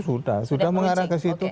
sudah sudah mengarah ke situ